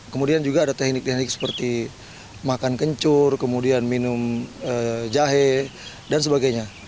kemudian juga ada teknik teknik seperti makan kencur kemudian minum jahe dan sebagainya